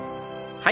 はい。